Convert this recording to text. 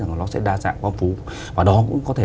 nó sẽ đa dạng quang phú và đó cũng có thể